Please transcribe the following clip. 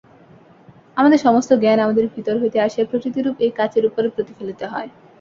আমাদের সমস্ত জ্ঞান আমাদের ভিতর হইতে আসিয়া প্রকৃতিরূপ এই কাঁচের উপরে প্রতিফলিত হয়।